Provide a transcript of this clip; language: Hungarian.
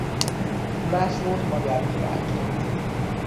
Ulászlót magyar királyként.